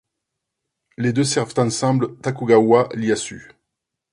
Les deux servent ensemble Tokugawa Ieyasu.